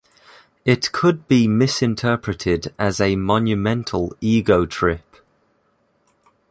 It could be misinterpreted as a monumental ego trip.